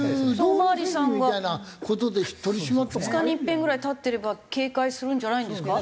お巡りさんが２日にいっぺんぐらい立ってれば警戒するんじゃないんですか？